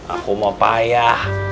aku mau payah